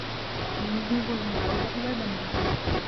الْمُذْنِبُ لَنْ يَعُودَ إِلَى ذَنْبِهِ.